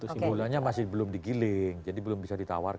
kesimpulannya masih belum digiling jadi belum bisa ditawarkan